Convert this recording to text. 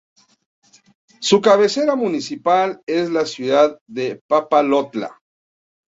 Su cabecera municipal es la ciudad de Papalotla.